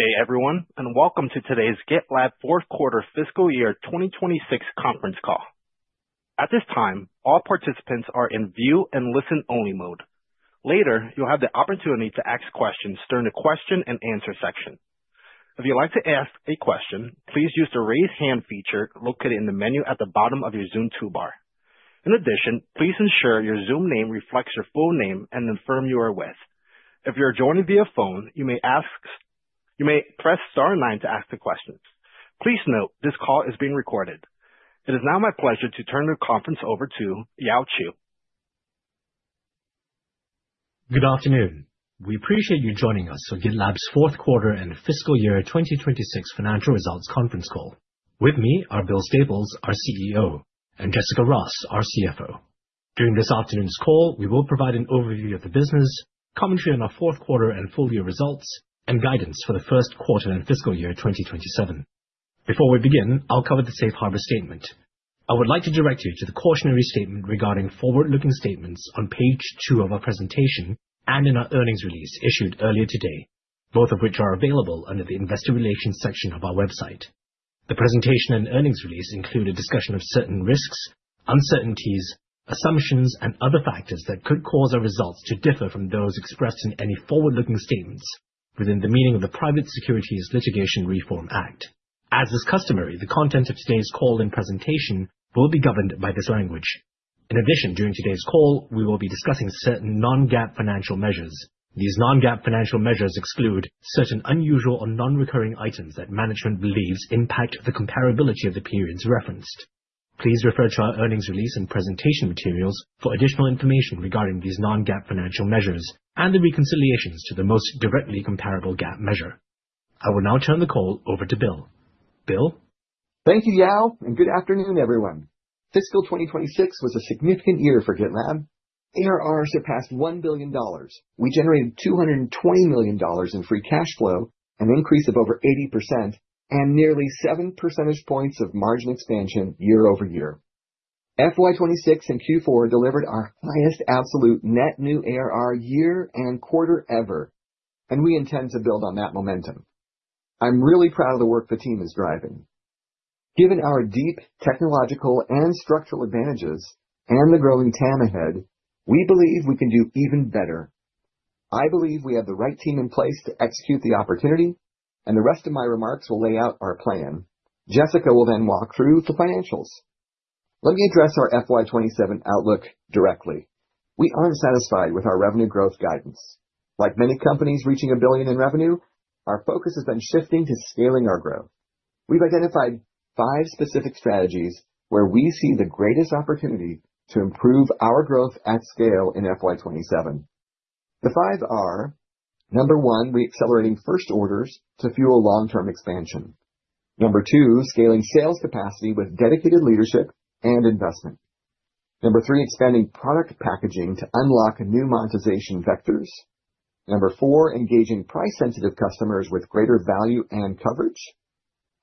Good day, everyone, and welcome to today's GitLab Fourth Quarter Fiscal Year 2026 Conference Call. At this time, all participants are in view and listen-only mode. Later, you'll have the opportunity to ask questions during the question and answer section. If you'd like to ask a question, please use the Raise Hand feature located in the menu at the bottom of your Zoom toolbar. In addition, please ensure your Zoom name reflects your full name and the firm you are with. If you're joining via phone, you may press star nine to ask the questions. Please note this call is being recorded. It is now my pleasure to turn the conference over to Yao Xu. Good afternoon. We appreciate you joining us on GitLab's Fourth Quarter and Fiscal Year 2026 Financial Results Conference Call. With me are Bill Staples, our CEO, and Jessica Ross, our CFO. During this afternoon's call, we will provide an overview of the business, commentary on our fourth quarter and full year results, and guidance for the first quarter and fiscal year 2027. Before we begin, I'll cover the safe harbor statement. I would like to direct you to the cautionary statement regarding forward-looking statements on page two of our presentation and in our earnings release issued earlier today, both of which are available under the Investor Relations section of our website. The presentation and earnings release include a discussion of certain risks, uncertainties, assumptions, and other factors that could cause our results to differ from those expressed in any forward-looking statements within the meaning of the Private Securities Litigation Reform Act. As is customary, the content of today's call and presentation will be governed by this language. In addition, during today's call, we will be discussing certain non-GAAP financial measures. These non-GAAP financial measures exclude certain unusual or non-recurring items that management believes impact the comparability of the periods referenced. Please refer to our earnings release and presentation materials for additional information regarding these non-GAAP financial measures and the reconciliations to the most directly comparable GAAP measure. I will now turn the call over to Bill. Bill? Thank you, Yao. Good afternoon, everyone. Fiscal 2026 was a significant year for GitLab. ARR surpassed $1 billion. We generated $220 million in free cash flow, an increase of over 80%, and nearly 7 percentage points of margin expansion year-over-year. FY 2026 and Q4 delivered our highest absolute net new ARR year and quarter ever, and we intend to build on that momentum. I'm really proud of the work the team is driving. Given our deep technological and structural advantages and the growing TAM ahead, we believe we can do even better. I believe we have the right team in place to execute the opportunity, and the rest of my remarks will lay out our plan. Jessica will walk through the financials. Let me address our FY 2027 outlook directly. We aren't satisfied with our revenue growth guidance. Like many companies reaching a billion in revenue, our focus has been shifting to scaling our growth. We've identified five specific strategies where we see the greatest opportunity to improve our growth at scale in FY 2027. The five are, number one, reaccelerating first orders to fuel long-term expansion. Number two, scaling sales capacity with dedicated leadership and investment. Number three, expanding product packaging to unlock new monetization vectors. Number four, engaging price-sensitive customers with greater value and coverage.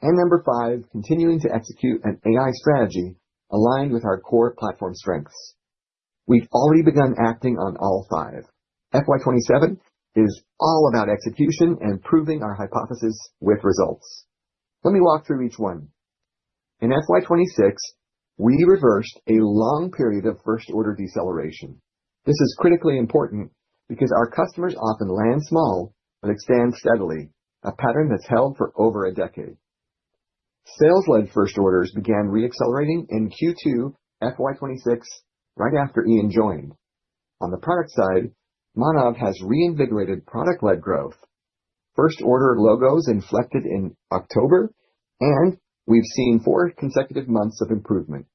Number five, continuing to execute an AI strategy aligned with our core platform strengths. We've already begun acting on all five. FY 2027 is all about execution and proving our hypothesis with results. Let me walk through each one. In FY 2026, we reversed a long period of first order deceleration. This is critically important because our customers often land small but expand steadily, a pattern that's held for over a decade. Sales-led first orders began re-accelerating in Q2 FY26 right after Ian joined. On the product side, Manav has re-invigorated product-led growth. First order logos inflected in October, and we've seen four consecutive months of improvement.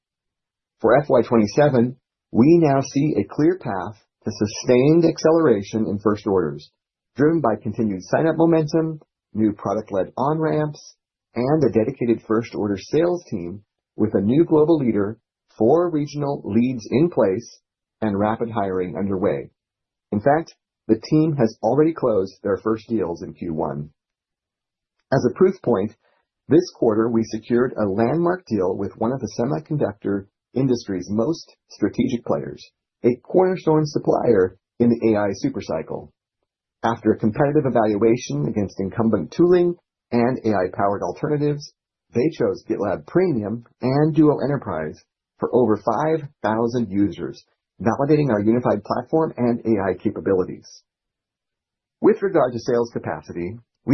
For FY27, we now see a clear path to sustained acceleration in first orders, driven by continued sign-up momentum, new product-led on-ramps, and a dedicated first order sales team with a new global leader, four regional leads in place, and rapid hiring underway. In fact, the team has already closed their first deals in Q1. As a proof point, this quarter we secured a landmark deal with one of the semiconductor industry's most strategic players, a cornerstone supplier in the AI super cycle. After a competitive evaluation against incumbent tooling and AI-powered alternatives, they chose GitLab Premium and Duo Enterprise for over 5,000 users, validating our unified platform and AI capabilities. We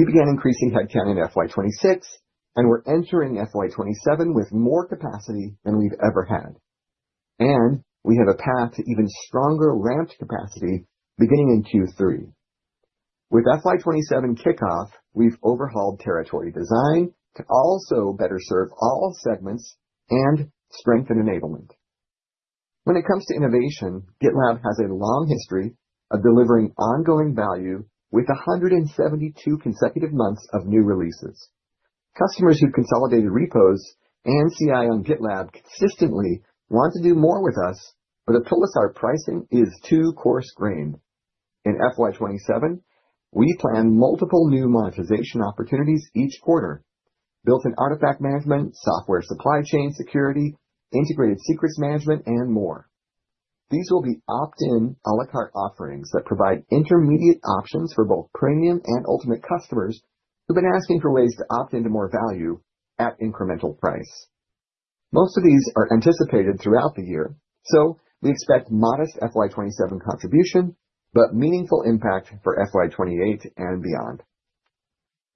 began increasing headcount in FY 2026, and we're entering FY 2027 with more capacity than we've ever had. We have a path to even stronger ramped capacity beginning in Q3. With FY 2027 kickoff, we've overhauled territory design to also better serve all segments and strengthen enablement. When it comes to innovation, GitLab has a long history of delivering ongoing value with 172 consecutive months of new releases. Customers who consolidated repos and CI on GitLab consistently want to do more with us, but they tell us our pricing is too coarse-grained. In FY 2027, we plan multiple new monetization opportunities each quarter, built-in artifact management, software supply chain security, integrated secrets management, and more. These will be opt-in, a la carte offerings that provide intermediate options for both GitLab Premium and GitLab Ultimate customers who've been asking for ways to opt into more value at incremental price. Most of these are anticipated throughout the year, so we expect modest FY 2027 contribution, but meaningful impact for FY 2028 and beyond.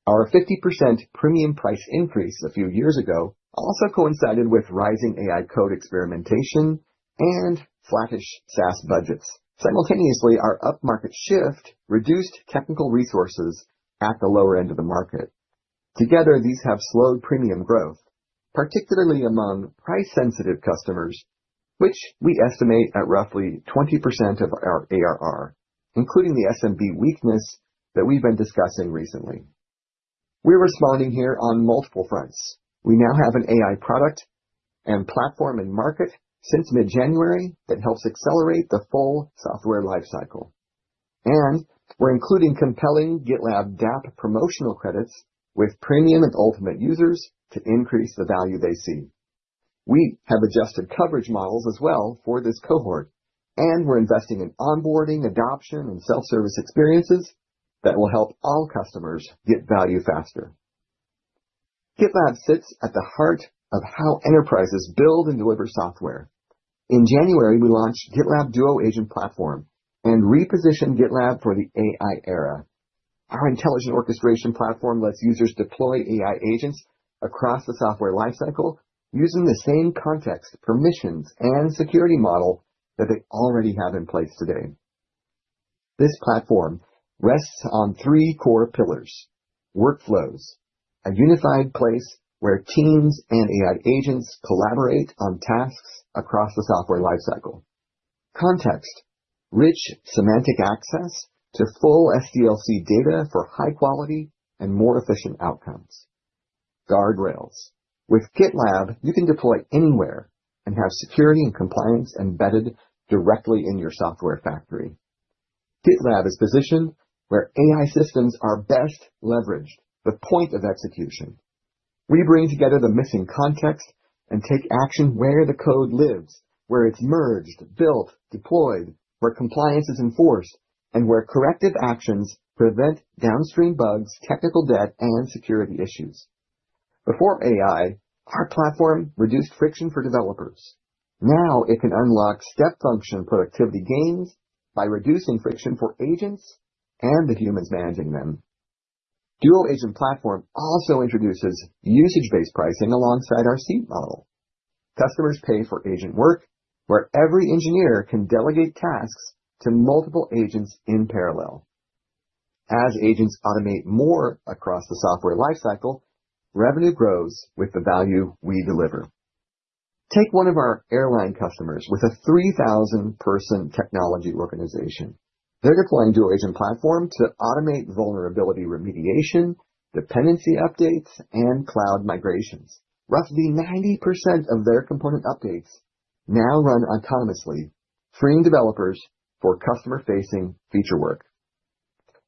Our 50% GitLab Premium price increase a few years ago also coincided with rising AI code experimentation and flattish SaaS budgets. Simultaneously, our upmarket shift reduced technical resources at the lower end of the market. Together, these have slowed GitLab Premium growth, particularly among price-sensitive customers, which we estimate at roughly 20% of our ARR, including the SMB weakness that we've been discussing recently. We're responding here on multiple fronts. We now have an AI product and platform and market since mid-January that helps accelerate the full software life cycle. We're including compelling GitLab DAP promotional credits with Premium and Ultimate users to increase the value they see. We have adjusted coverage models as well for this cohort, and we're investing in onboarding, adoption, and self-service experiences that will help all customers get value faster. GitLab sits at the heart of how enterprises build and deliver software. In January, we launched GitLab Duo Agent Platform and repositioned GitLab for the AI era. Our intelligent orchestration platform lets users deploy AI agents across the software life cycle using the same context, permissions, and security model that they already have in place today. This platform rests on three core pillars. Workflows, a unified place where teams and AI agents collaborate on tasks across the software life cycle. Context, rich semantic access to full SDLC data for high quality and more efficient outcomes. Guardrails. With GitLab, you can deploy anywhere and have security and compliance embedded directly in your software factory. GitLab is positioned where AI systems are best leveraged, the point of execution. We bring together the missing context and take action where the code lives, where it's merged, built, deployed, where compliance is enforced, and where corrective actions prevent downstream bugs, technical debt, and security issues. Before AI, our platform reduced friction for developers. Now it can unlock step function productivity gains by reducing friction for agents and the humans managing them. Duo Agent Platform also introduces usage-based pricing alongside our seat model. Customers pay for agent work where every engineer can delegate tasks to multiple agents in parallel. As agents automate more across the software life cycle, revenue grows with the value we deliver. Take one of our airline customers with a 3,000-person technology organization. They're deploying Duo Agent Platform to automate vulnerability remediation, dependency updates, and cloud migrations. Roughly 90% of their component updates now run autonomously, freeing developers for customer-facing feature work.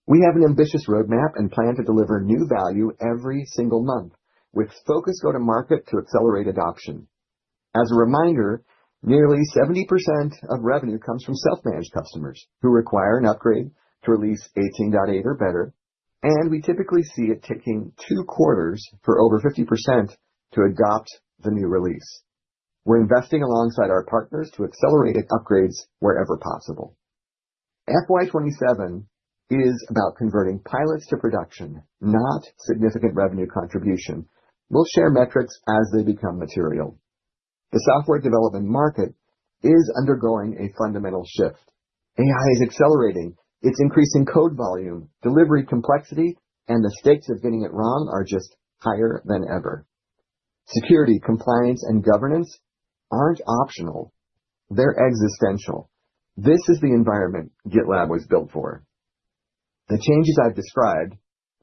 We have an ambitious roadmap and plan to deliver new value every single month, with focus go-to-market to accelerate adoption. As a reminder, nearly 70% of revenue comes from self-managed customers who require an upgrade to release 18.8 or better, and we typically see it taking two quarters for over 50% to adopt the new release. We're investing alongside our partners to accelerate upgrades wherever possible. FY 2027 is about converting pilots to production, not significant revenue contribution. We'll share metrics as they become material. The software development market is undergoing a fundamental shift. AI is accelerating. It's increasing code volume, delivery complexity, and the stakes of getting it wrong are just higher than ever. Security, compliance, and governance aren't optional. They're existential. This is the environment GitLab was built for. The changes I've described,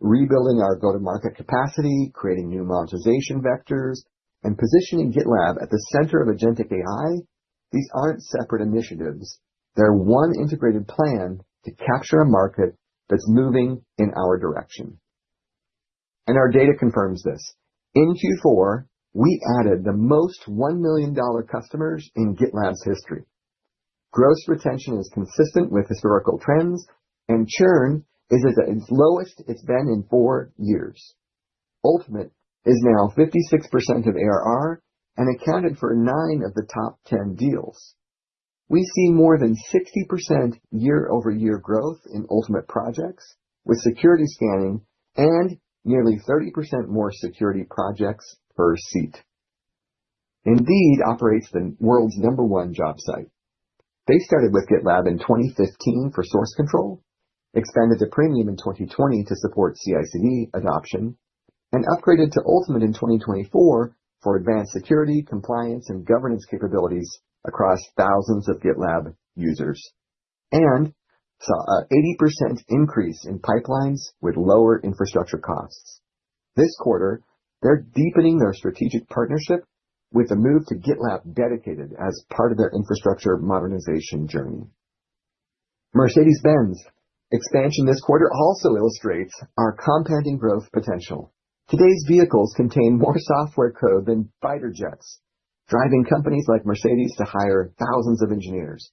rebuilding our go-to-market capacity, creating new monetization vectors, and positioning GitLab at the center of Agentic AI, these aren't separate initiatives. They're one integrated plan to capture a market that's moving in our direction. Our data confirms this. In Q4, we added the most $1 million customers in GitLab's history. Gross retention is consistent with historical trends, and churn is at its lowest it's been in four years. Ultimate is now 56% of ARR and accounted for nine of the top 10 deals. We see more than 60% year-over-year growth in Ultimate projects with security scanning and nearly 30% more security projects per seat. Indeed operates the world's number one job site. They started with GitLab in 2015 for source control, expanded to Premium in 2020 to support CI/CD adoption, and upgraded to Ultimate in 2024 for advanced security, compliance, and governance capabilities across thousands of GitLab users, and saw an 80% increase in pipelines with lower infrastructure costs. This quarter, they're deepening their strategic partnership with a move to GitLab Dedicated as part of their infrastructure modernization journey. Mercedes-Benz expansion this quarter also illustrates our compounding growth potential. Today's vehicles contain more software code than fighter jets, driving companies like Mercedes to hire thousands of engineers.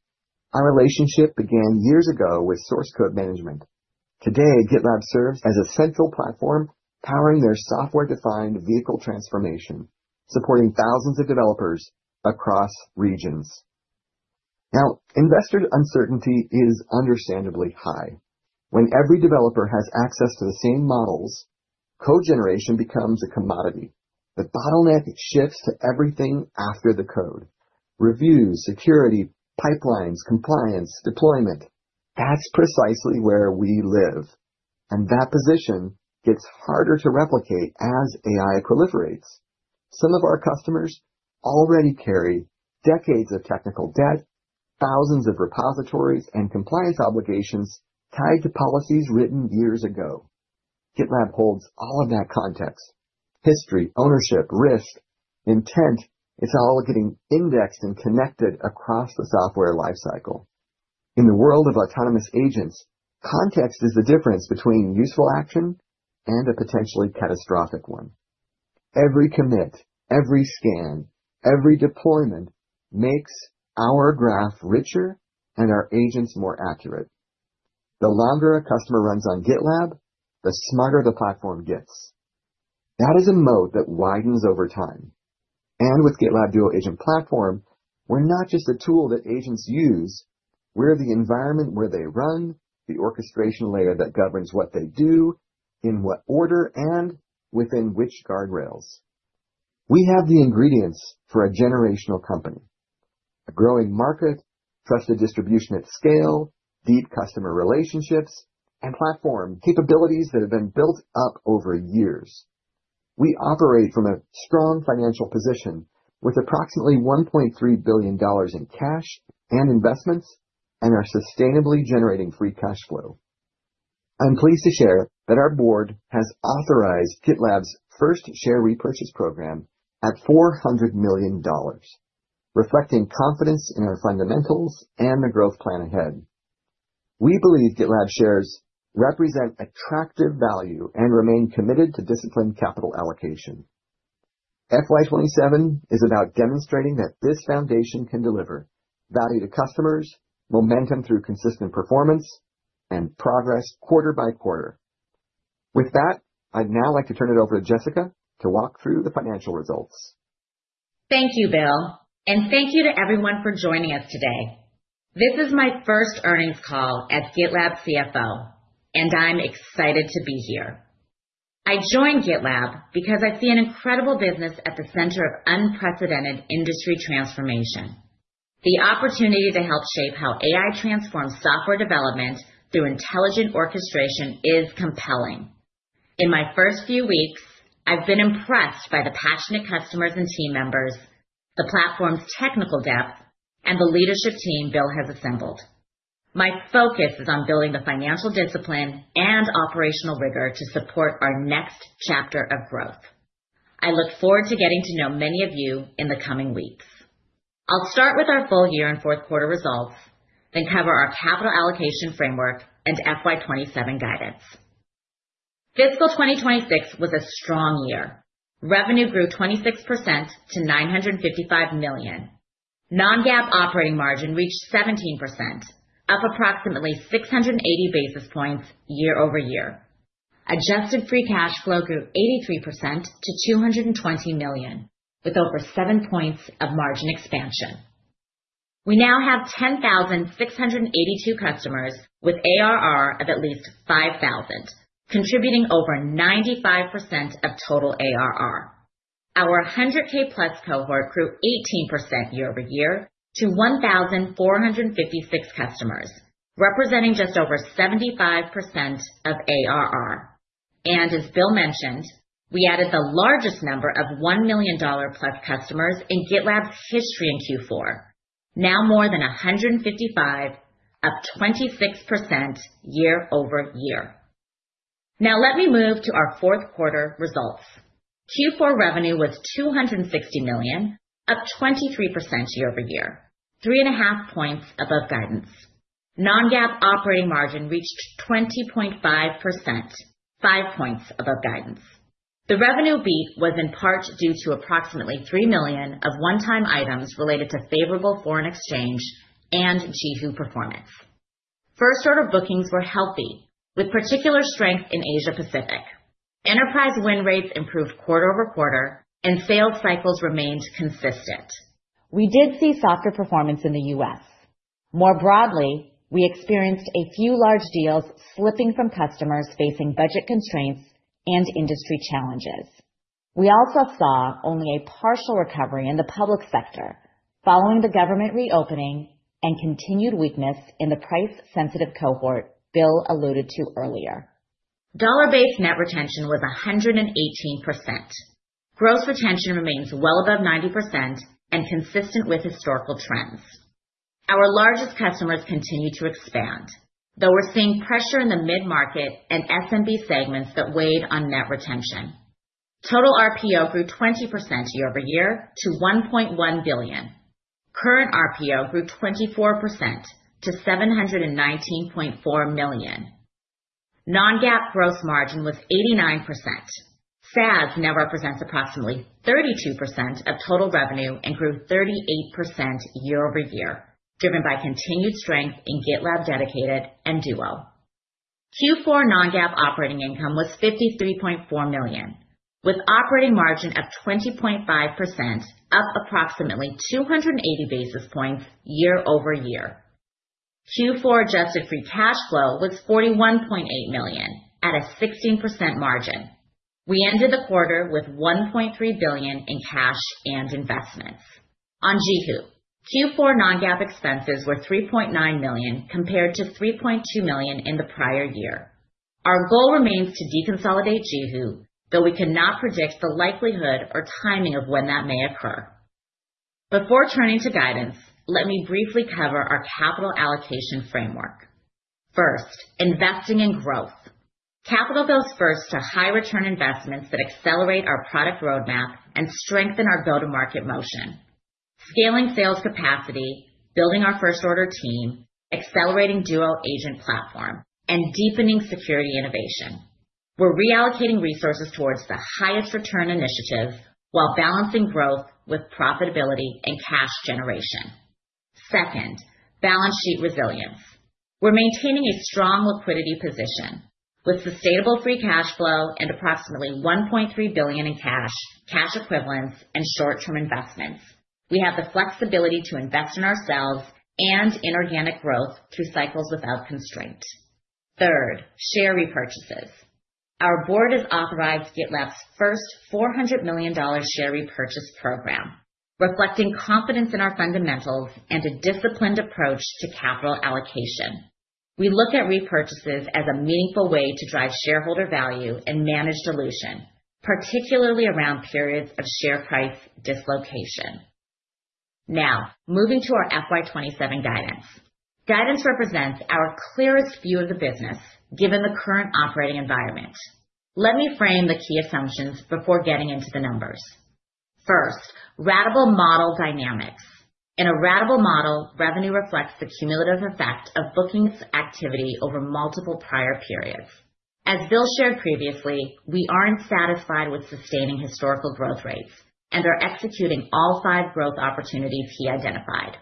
Our relationship began years ago with source code management. Today, GitLab serves as a central platform powering their software-defined vehicle transformation, supporting thousands of developers across regions. Investor uncertainty is understandably high. When every developer has access to the same models, code generation becomes a commodity. The bottleneck shifts to everything after the code. Reviews, security, pipelines, compliance, deployment. That's precisely where we live, and that position gets harder to replicate as AI proliferates. Some of our customers already carry decades of technical debt, thousands of repositories and compliance obligations tied to policies written years ago. GitLab holds all of that context. History, ownership, risk, intent. It's all getting indexed and connected across the software life cycle. In the world of autonomous agents, context is the difference between useful action and a potentially catastrophic one. Every commit, every scan, every deployment makes our graph richer and our agents more accurate. The longer a customer runs on GitLab, the smarter the platform gets. That is a mode that widens over time. With GitLab Duo Agent Platform, we're not just a tool that agents use, we're the environment where they run, the orchestration layer that governs what they do, in what order, and within which guardrails. We have the ingredients for a generational company, a growing market, trusted distribution at scale, deep customer relationships, and platform capabilities that have been built up over years. We operate from a strong financial position with approximately $1.3 billion in cash and investments and are sustainably generating free cash flow. I'm pleased to share that our board has authorized GitLab's first share repurchase program at $400 million, reflecting confidence in our fundamentals and the growth plan ahead. We believe GitLab shares represent attractive value and remain committed to disciplined capital allocation. FY27 is about demonstrating that this foundation can deliver value to customers, momentum through consistent performance, and progress quarter-by-quarter. With that, I'd now like to turn it over to Jessica to walk through the financial results. Thank you, Bill. Thank you to everyone for joining us today. This is my first earnings call as GitLab CFO, and I'm excited to be here. I joined GitLab because I see an incredible business at the center of unprecedented industry transformation. The opportunity to help shape how AI transforms software development through intelligent orchestration is compelling. In my first few weeks, I've been impressed by the passionate customers and team members, the platform's technical depth, and the leadership team Bill has assembled. My focus is on building the financial discipline and operational rigor to support our next chapter of growth. I look forward to getting to know many of you in the coming weeks. I'll start with our full year and fourth quarter results, then cover our capital allocation framework and FY 2027 guidance. Fiscal 2026 was a strong year. Revenue grew 26% to $955 million. non-GAAP operating margin reached 17%, up approximately 680 basis points year-over-year. Adjusted free cash flow grew 83% to $220 million, with over 7 points of margin expansion. We now have 10,682 customers with ARR of at least $5,000, contributing over 95% of total ARR. Our 100K-plus cohort grew 18% year-over-year to 1,456 customers, representing just over 75% of ARR. As Bill mentioned, we added the largest number of $1 million-plus customers in GitLab's history in Q4, now more than 155, up 26% year-over-year. Let me move to our fourth quarter results. Q4 revenue was $260 million, up 23% year-over-year, 3.5 points above guidance. Non-GAAP operating margin reached 20.5%, 5 points above guidance. The revenue beat was in part due to approximately $3 million of one-time items related to favorable foreign exchange and JiHu performance. First order bookings were healthy, with particular strength in Asia-Pacific. Enterprise win rates improved quarter-over-quarter and sales cycles remained consistent. We did see softer performance in the U.S. More broadly, we experienced a few large deals slipping from customers facing budget constraints and industry challenges. We also saw only a partial recovery in the public sector following the government reopening and continued weakness in the price-sensitive cohort Bill alluded to earlier. Dollar-based net retention was 118%. Gross retention remains well above 90% and consistent with historical trends. Our largest customers continue to expand, though we're seeing pressure in the mid-market and SMB segments that weighed on net retention. Total RPO grew 20% year-over-year to $1.1 billion. Current RPO grew 24% to $719.4 million. Non-GAAP gross margin was 89%. SaaS now represents approximately 32% of total revenue and grew 38% year-over-year, driven by continued strength in GitLab Dedicated and GitLab Duo. Q4 non-GAAP operating income was $53.4 million, with operating margin of 20.5%, up approximately 280 basis points year-over-year. Q4 adjusted free cash flow was $41.8 million at a 16% margin. We ended the quarter with $1.3 billion in cash and investments. On JiHu, Q4 non-GAAP expenses were $3.9 million compared to $3.2 million in the prior year. Our goal remains to deconsolidate JiHu, though we cannot predict the likelihood or timing of when that may occur. Before turning to guidance, let me briefly cover our capital allocation framework. First, investing in growth. Capital goes first to high return investments that accelerate our product roadmap and strengthen our go-to-market motion. Scaling sales capacity, building our first order team, accelerating Duo Agent Platform, and deepening security innovation. We're reallocating resources towards the highest return initiatives while balancing growth with profitability and cash generation. Second, balance sheet resilience. We're maintaining a strong liquidity position. With sustainable free cash flow and approximately $1.3 billion in cash equivalents, and short-term investments, we have the flexibility to invest in ourselves and inorganic growth through cycles without constraint. Third, share repurchases. Our board has authorized GitLab's first $400 million share repurchase program, reflecting confidence in our fundamentals and a disciplined approach to capital allocation. We look at repurchases as a meaningful way to drive shareholder value and manage dilution, particularly around periods of share price dislocation. Moving to our FY27 guidance. Guidance represents our clearest view of the business given the current operating environment. Let me frame the key assumptions before getting into the numbers. First, ratable model dynamics. In a ratable model, revenue reflects the cumulative effect of bookings activity over multiple prior periods. As Bill shared previously, we aren't satisfied with sustaining historical growth rates and are executing all five growth opportunities he identified.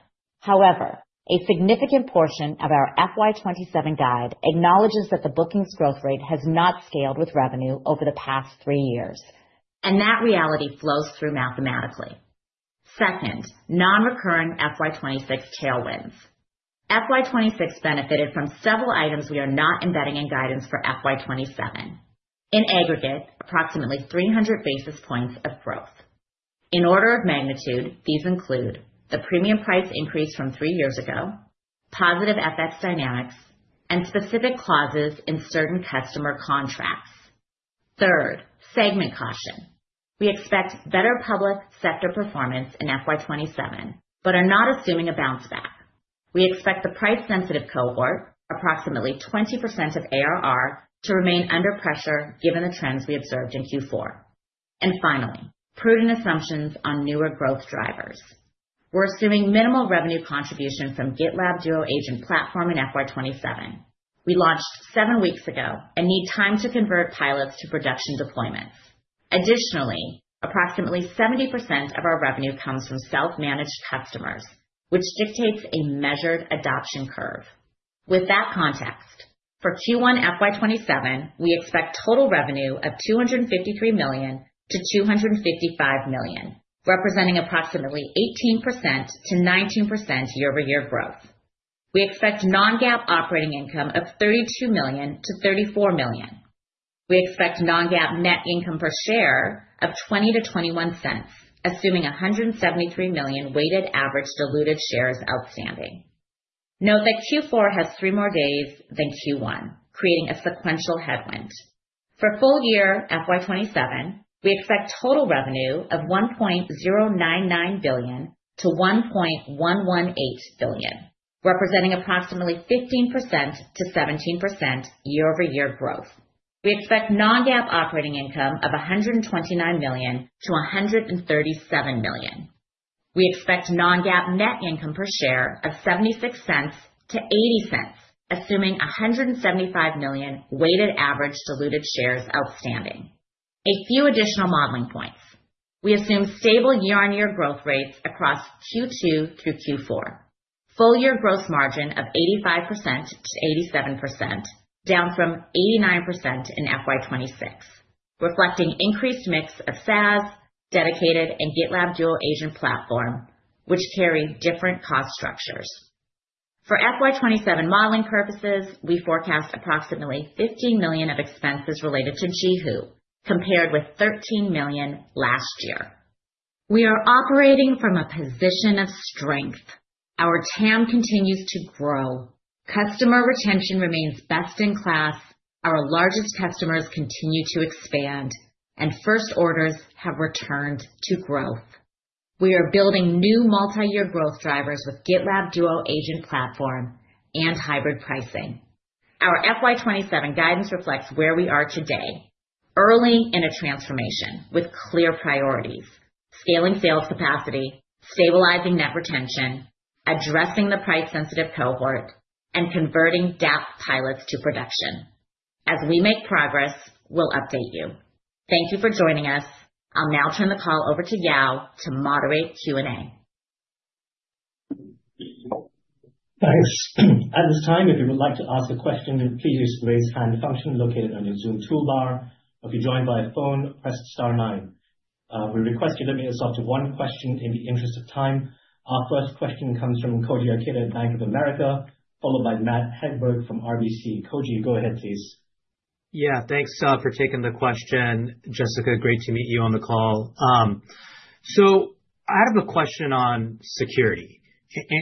A significant portion of our FY27 guide acknowledges that the bookings growth rate has not scaled with revenue over the past three years, and that reality flows through mathematically. Non-recurring FY 2026 tailwinds. FY 2026 benefited from several items we are not embedding in guidance for FY 2027. In aggregate, approximately 300 basis points of growth. In order of magnitude, these include the premium price increase from three years ago, positive FX dynamics, and specific clauses in certain customer contracts. Third, segment caution. We expect better public sector performance in FY 2027 but are not assuming a bounce back. We expect the price-sensitive cohort, approximately 20% of ARR, to remain under pressure given the trends we observed in Q4. Finally, prudent assumptions on newer growth drivers. We're assuming minimal revenue contribution from GitLab Duo Agent Platform in FY 2027. We launched seven weeks ago and need time to convert pilots to production deployments. Additionally, approximately 70% of our revenue comes from self-managed customers, which dictates a measured adoption curve. With that context, for Q1 FY27, we expect total revenue of $253 million to $255 million, representing approximately 18% to 19% year-over-year growth. We expect non-GAAP operating income of $32 million to $34 million. We expect non-GAAP net income per share of $0.20 to $0.21, assuming 173 million weighted average diluted shares outstanding. Note that Q4 has three more days than Q1, creating a sequential headwind. For full year FY27, we expect total revenue of $1.099 billion-$1.118 billion, representing approximately 15% -17% year-over-year growth. We expect non-GAAP operating income of $129 million to $137 million. We expect non-GAAP net income per share of $0.76 to $0.80, assuming 175 million weighted average diluted shares outstanding. A few additional modeling points. We assume stable year-on-year growth rates across Q2 through Q4. Full year gross margin of 85% to 87%, down from 89% in FY 2026, reflecting increased mix of SaaS, Dedicated, and GitLab Duo Agent Platform, which carry different cost structures. For FY 2027 modeling purposes, we forecast approximately $15 million of expenses related to JiHu, compared with $13 million last year. We are operating from a position of strength. Our TAM continues to grow. Customer retention remains best in class. Our largest customers continue to expand, and first orders have returned to growth. We are building new multi-year growth drivers with GitLab Duo Agent Platform and hybrid pricing. Our FY27 guidance reflects where we are today, early in a transformation with clear priorities, scaling sales capacity, stabilizing net retention, addressing the price sensitive cohort, and converting DAP pilots to production. As we make progress, we'll update you. Thank you for joining us. I'll now turn the call over to Yao to moderate Q&A. Thanks. At this time, if you would like to ask a question, please use the Raise Hand function located on your Zoom toolbar. If you joined by phone, press star nine. We request you limit yourself to one question in the interest of time. Our first question comes from Koji Ikeda at Bank of America, followed by Matthew Hedberg from RBC. Koji, go ahead, please. Yeah, thanks for taking the question, Jessica, great to meet you on the call. I have a question on security.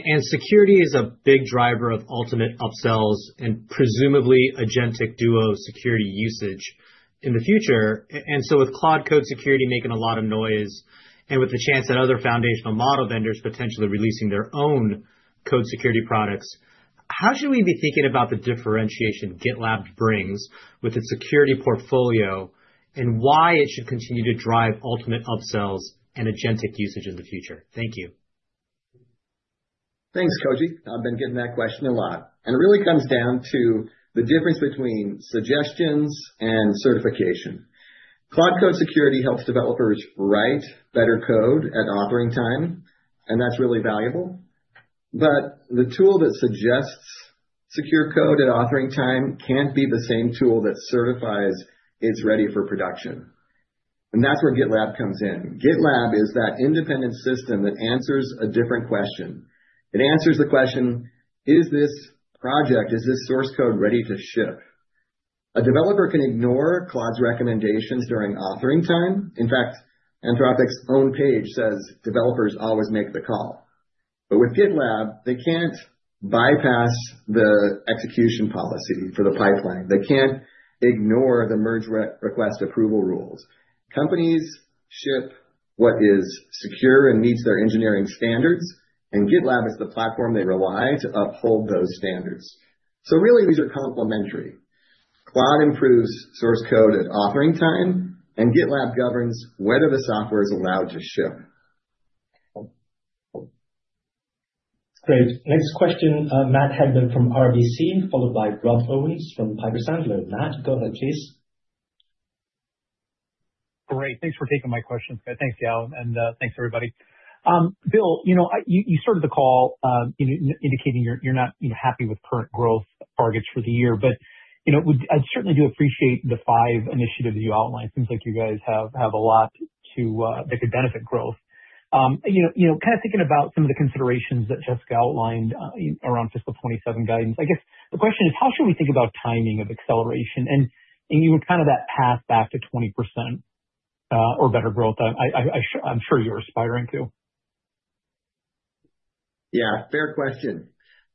And security is a big driver of ultimate upsells and presumably agentic duo security usage in the future. And so with Claude Code Security making a lot of noise and with the chance that other foundational model vendors potentially releasing their own code security products, how should we be thinking about the differentiation GitLab brings with its security portfolio? Why it should continue to drive ultimate upsells and Agentic usage in the future? Thank you. Thanks, Koji. I've been getting that question a lot. It really comes down to the difference between suggestions and certification. Claude Code Security helps developers write better code at authoring time. That's really valuable. The tool that suggests secure code at authoring time can't be the same tool that certifies it's ready for production. That's where GitLab comes in. GitLab is that independent system that answers a different question. It answers the question, is this project, is this source code ready to ship? A developer can ignore Claude's recommendations during authoring time. In fact, Anthropic's own page says developers always make the call. With GitLab, they can't bypass the execution policy for the pipeline. They can't ignore the merge re-request approval rules. Companies ship what is secure and meets their engineering standards. GitLab is the platform they rely to uphold those standards. Really, these are complementary. Claude improves source code at authoring time, and GitLab governs whether the software is allowed to ship. Great. Next question, Matthew Hedberg from RBC, followed by Rob Owens from Piper Sandler. Matt, go ahead, please. Great. Thanks for taking my question. Thanks, Yao, and thanks everybody. Bill, you know, you started the call, indicating you're not, you know, happy with current growth targets for the year. You know, I certainly do appreciate the five initiatives you outlined. Seems like you guys have a lot to that could benefit growth. You know, kinda thinking about some of the considerations that Jessica outlined, you know, around fiscal 27 guidance. I guess the question is, how should we think about timing of acceleration, and even kinda that path back to 20%, or better growth that I'm sure you're aspiring to? Yeah, fair question.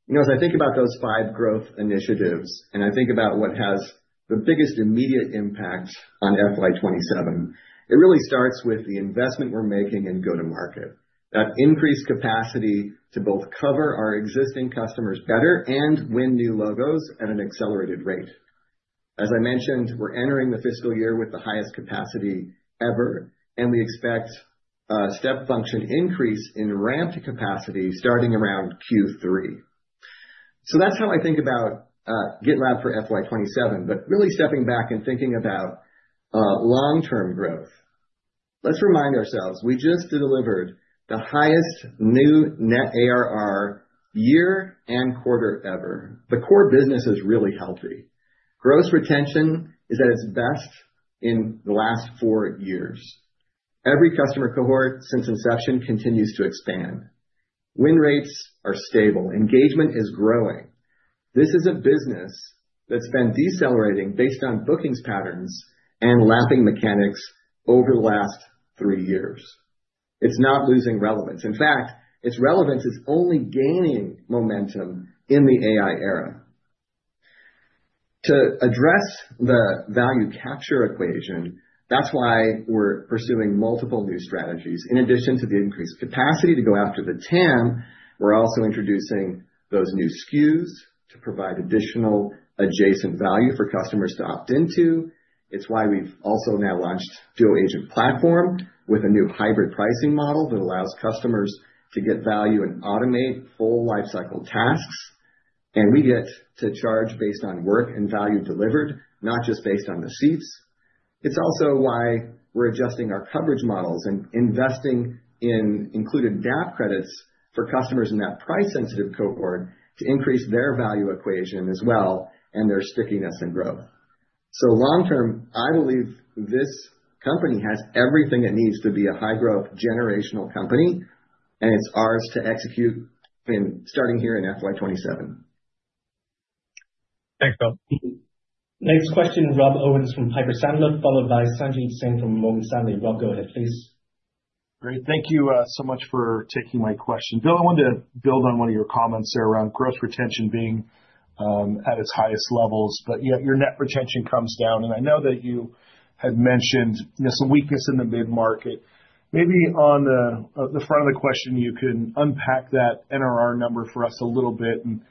You know, as I think about those five growth initiatives, and I think about what has the biggest immediate impact on FY27, it really starts with the investment we're making in go-to-market. That increased capacity to both cover our existing customers better and win new logos at an accelerated rate. As I mentioned, we're entering the fiscal year with the highest capacity ever, and we expect a step function increase in ramp capacity starting around Q3. That's how I think about GitLab for FY27, but really stepping back and thinking about long-term growth. Let's remind ourselves, we just delivered the highest new net ARR year and quarter ever. The core business is really healthy. Gross retention is at its best in the last four years. Every customer cohort since inception continues to expand. Win rates are stable. Engagement is growing. This is a business that's been decelerating based on bookings patterns and lapping mechanics over the last three years. It's not losing relevance. In fact, its relevance is only gaining momentum in the AI era. To address the value capture equation, that's why we're pursuing multiple new strategies. In addition to the increased capacity to go after the TAM, we're also introducing those new SKUs to provide additional adjacent value for customers to opt into. It's why we've also now launched Duo Agent Platform with a new hybrid pricing model that allows customers to get value and automate full lifecycle tasks. We get to charge based on work and value delivered, not just based on the seats. It's also why we're adjusting our coverage models and investing in included DAP credits for customers in that price-sensitive cohort to increase their value equation as well, and their stickiness and growth. Long term, I believe this company has everything it needs to be a high-growth generational company, and it's ours to execute starting here in FY27. Thanks, Bill. Next question, Rob Owens from Piper Sandler, followed by Sanjit Singh from Morgan Stanley. Rob, go ahead, please. Great. Thank you so much for taking my question. Bill, I wanted to build on one of your comments there around gross retention being at its highest levels, but yet your net retention comes down. I know that you had mentioned, you know, some weakness in the mid-market. Maybe on the front of the question, you can unpack that NRR number for us a little bit and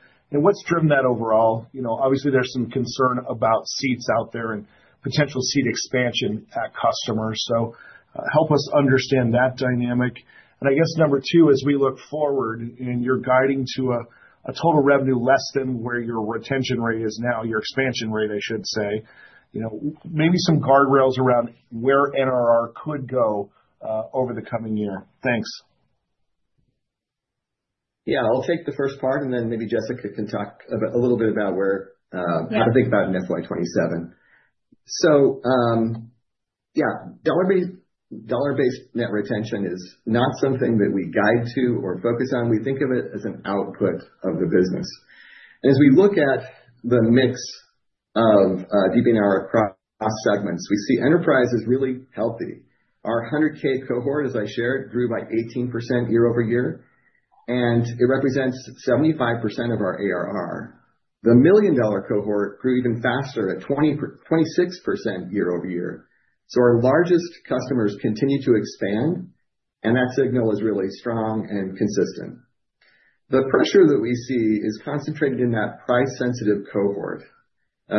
what's driven that overall. You know, obviously there's some concern about seats out there and potential seat expansion at customers. Help us understand that dynamic. I guess number two, as we look forward and you're guiding to a total revenue less than where your retention rate is now, your expansion rate, I should say, you know, maybe some guardrails around where NRR could go over the coming year. Thanks. Yeah, I'll take the first part, and then maybe Jessica can talk a little bit about where. Yeah. How to think about in FY27. Yeah, dollar-based net retention is not something that we guide to or focus on. We think of it as an output of the business. As we look at the mix of DBNR across segments, we see enterprise is really healthy. Our 100K cohort, as I shared, grew by 18% year-over-year, and it represents 75% of our ARR. The $1 million cohort grew even faster at 26% year-over-year. Our largest customers continue to expand, and that signal is really strong and consistent. The pressure that we see is concentrated in that price-sensitive cohort.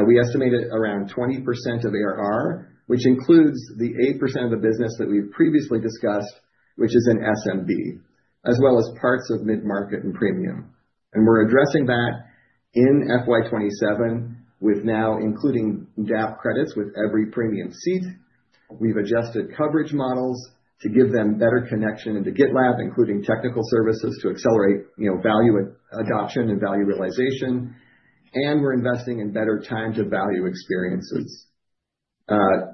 We estimate it around 20% of ARR, which includes the 8% of the business that we previously discussed, which is in SMB, as well as parts of mid-market and premium. We're addressing that in FY27 with now including DAP credits with every Premium seat. We've adjusted coverage models to give them better connection into GitLab, including technical services to accelerate, you know, value adoption and value realization. We're investing in better time to value experiences.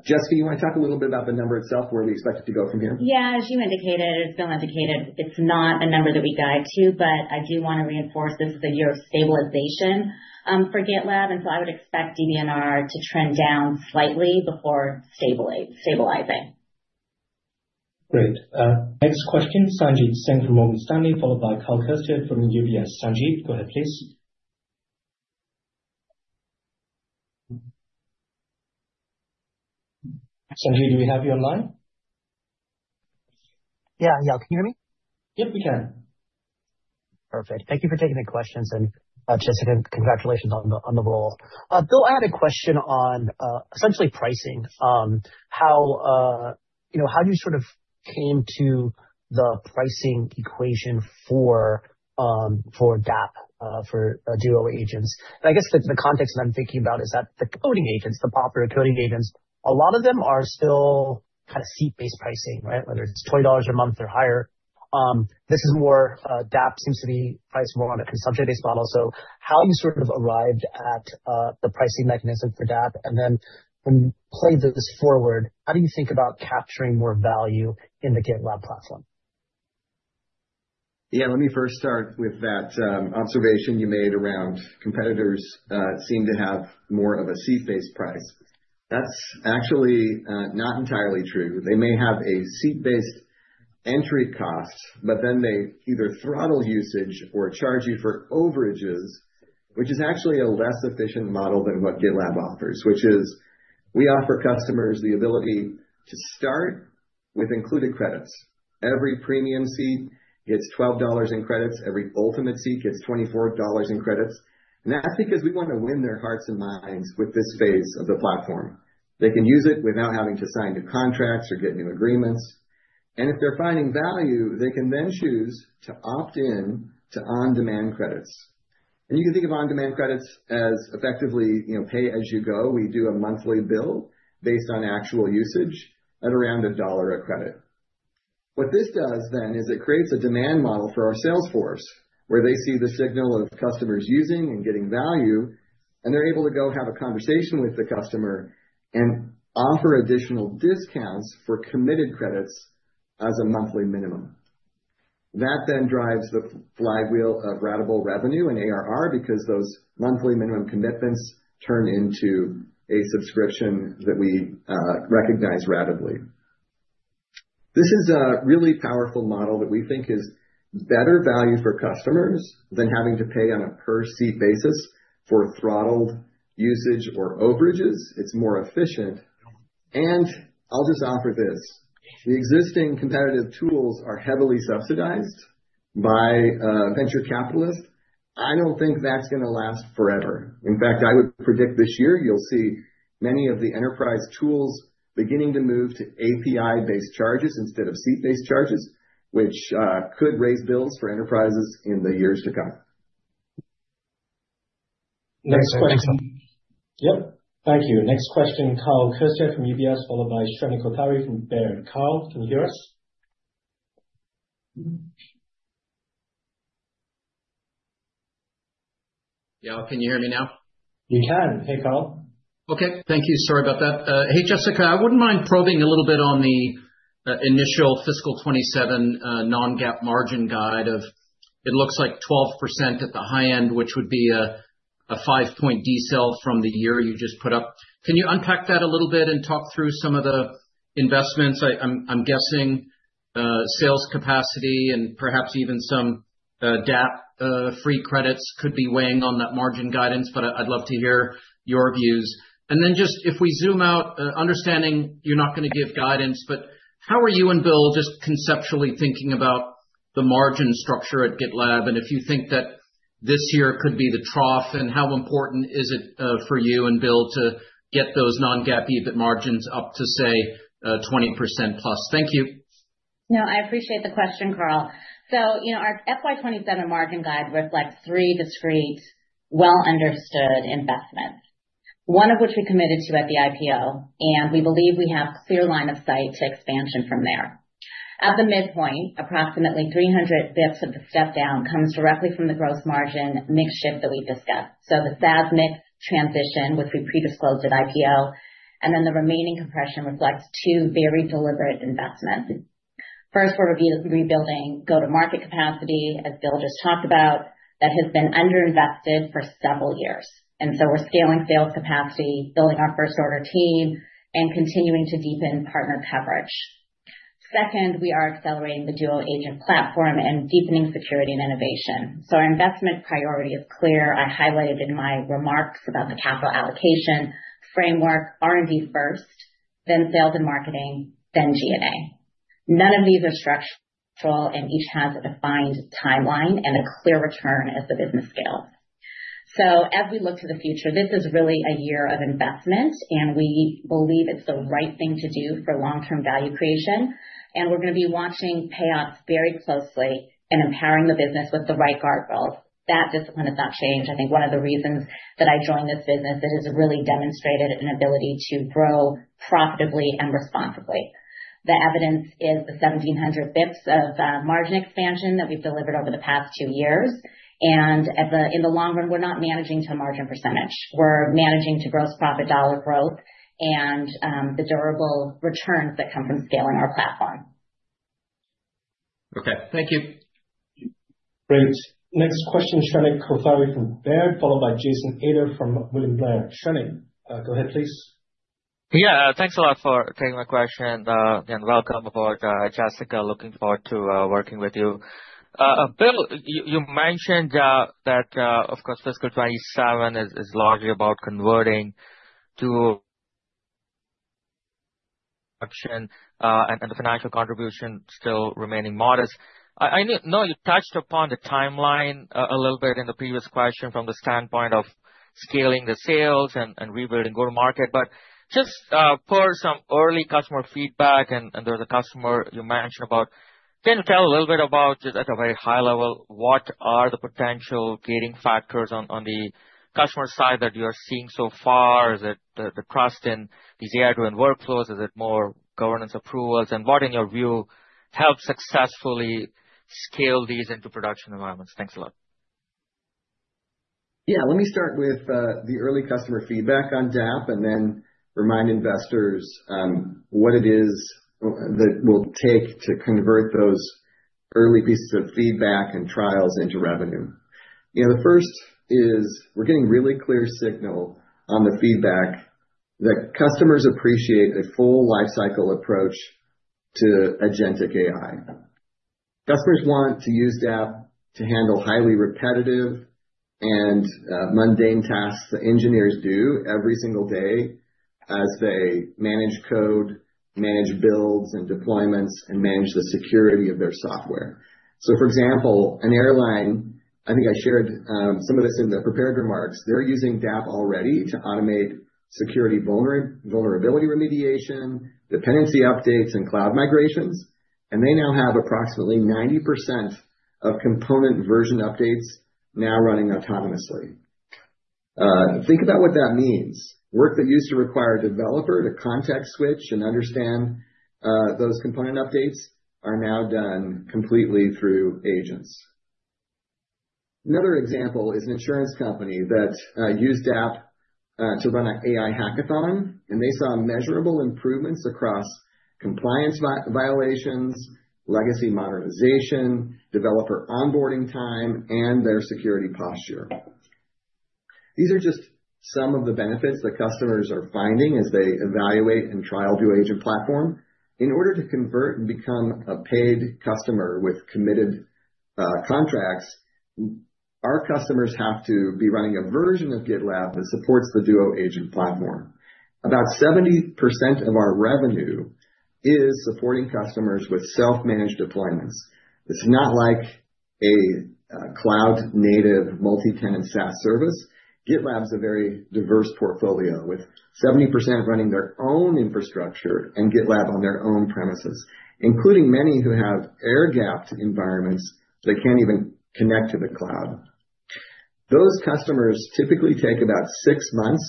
Jessica, you wanna talk a little bit about the number itself, where we expect it to go from here? Yeah. As you indicated, as Bill indicated, it's not a number that we guide to, but I do wanna reinforce this is the year of stabilization, for GitLab, and so I would expect DBNR to trend down slightly before stabilizing. Great. next question, Sanjit Singh from Morgan Stanley, followed by Karl Keirstead from UBS. Sanjit, go ahead, please. Sanjit, do we have you on the line? Yeah. Yeah. Can you hear me? Yep, we can. Perfect. Thank you for taking the questions, and Jessica, congratulations on the role. Bill, I had a question on essentially pricing. How, you know, how you sort of came to the pricing equation for DAP, for our Duo agents. I guess the context that I'm thinking about is that the coding agents, the popular coding agents, a lot of them are still kind of seat-based pricing, right? Whether it's $20 a month or higher. This is more, DAP seems to be priced more on a consumption-based model. How you sort of arrived at the pricing mechanism for DAP, and then when you play this forward, how do you think about capturing more value in the GitLab platform? Yeah. Let me first start with that observation you made around competitors seem to have more of a seat-based price. That's actually not entirely true. They may have a seat-based entry cost, but then they either throttle usage or charge you for overages, which is actually a less efficient model than what GitLab offers, which is we offer customers the ability to start with included credits. Every Premium seat gets $12 in credits. Every Ultimate seat gets $24 in credits. That's because we wanna win their hearts and minds with this phase of the platform. They can use it without having to sign new contracts or get new agreements. If they're finding value, they can then choose to opt in to on-demand credits. You can think of on-demand credits as effectively, you know, pay as you go. We do a monthly bill based on actual usage at around $1 a credit. What this does is it creates a demand model for our sales force, where they see the signal of customers using and getting value, and they're able to go have a conversation with the customer and offer additional discounts for committed credits as a monthly minimum. That drives the flywheel of ratable revenue and ARR because those monthly minimum commitments turn into a subscription that we recognize ratably. This is a really powerful model that we think is better value for customers than having to pay on a per seat basis for throttled usage or overages. It's more efficient. I'll just offer this, the existing competitive tools are heavily subsidized by venture capitalists. I don't think that's gonna last forever. In fact, I would predict this year you'll see many of the enterprise tools beginning to move to API-based charges instead of seat-based charges, which could raise bills for enterprises in the years to come. Next question. Yep. Thank you. Next question, Karl Keirstead from UBS, followed by Shrenik Kothari from Baird. Karl, can you hear us? Yeah. Can you hear me now? We can. Hey, Karl. Okay. Thank you. Sorry about that. Hey, Jessica. I wouldn't mind probing a little bit on the initial fiscal 27 non-GAAP margin guide. It looks like 12% at the high end, which would be a 5-point decel from the year you just put up. Can you unpack that a little bit and talk through some of the investments? I'm guessing sales capacity and perhaps even some DAP free credits could be weighing on that margin guidance, but I'd love to hear your views. Just if we zoom out, understanding you're not gonna give guidance, but how are you and Bill just conceptually thinking about the margin structure at GitLab, and if you think that this year could be the trough, and how important is it for you and Bill to get those non-GAAP EBIT margins up to, say, 20%+? Thank you. I appreciate the question, Karl. You know, our FY27 margin guide reflects three discrete well-understood investments, one of which we committed to at the IPO, and we believe we have clear line of sight to expansion from there. At the midpoint, approximately 300 basis points of the step-down comes directly from the gross margin mix shift that we've discussed. The SaaS mix transition, which we pre-disclosed at IPO, and then the remaining compression reflects two very deliberate investments. First, we're rebuilding go-to-market capacity, as Bill just talked about, that has been under-invested for several years. We're scaling sales capacity, building our first order team, and continuing to deepen partner coverage. Second, we are accelerating the Duo Agent Platform and deepening security and innovation. Our investment priority is clear. I highlighted in my remarks about the capital allocation framework, R&D first, then sales and marketing, then G&A. None of these are structural, each has a defined timeline and a clear return as the business scales. As we look to the future, this is really a year of investment, and we believe it's the right thing to do for long-term value creation, and we're gonna be watching payoffs very closely and empowering the business with the right guardrails. That discipline has not changed. I think one of the reasons that I joined this business, it has really demonstrated an ability to grow profitably and responsibly. The evidence is the 1,700 BPS of margin expansion that we've delivered over the past two years. In the long run, we're not managing to a margin percentage. We're managing to gross profit dollar growth and, the durable returns that come from scaling our platform. Okay. Thank you. Great. Next question, Shrenik Kothari from Baird, followed by Jason Ader from William Blair. Shrenik, go ahead please. Yeah. Thanks a lot for taking my question, welcome aboard, Jessica. Looking forward to working with you. Bill, you mentioned that, of course, fiscal 27 is largely about converting to production, the financial contribution still remaining modest. I know you touched upon the timeline a little bit in the previous question from the standpoint of scaling the sales and rebuilding go-to-market. Just, per some early customer feedback and there's a customer you mentioned about, can you tell a little bit about, just at a very high level, what are the potential gating factors on the customer side that you are seeing so far? Is it the trust in these AI-driven workflows? Is it more governance approvals? What, in your view, helps successfully scale these into production environments? Thanks a lot. Let me start with the early customer feedback on DAP and then remind investors what it is that will take to convert those early pieces of feedback and trials into revenue. You know, the first is we're getting really clear signal on the feedback that customers appreciate a full lifecycle approach to Agentic AI. Customers want to use DAP to handle highly repetitive and mundane tasks that engineers do every single day as they manage code, manage builds and deployments, and manage the security of their software. For example, an airline, I think I shared some of this in the prepared remarks, they're using DAP already to automate security vulnerability remediation, dependency updates, and cloud migrations, and they now have approximately 90% of component version updates now running autonomously. Think about what that means. Work that used to require a developer to context switch and understand those component updates are now done completely through agents. Another example is an insurance company that used DAP to run an AI hackathon, and they saw measurable improvements across compliance violations, legacy modernization, developer onboarding time, and their security posture. These are just some of the benefits that customers are finding as they evaluate and trial Duo Agent Platform. In order to convert and become a paid customer with committed contracts, our customers have to be running a version of GitLab that supports the Duo Agent Platform. About 70% of our revenue is supporting customers with self-managed deployments. It's not like a cloud-native multi-tenant SaaS service. GitLab is a very diverse portfolio, with 70% running their own infrastructure and GitLab on their own premises, including many who have air-gapped environments that can't even connect to the cloud. Those customers typically take about six months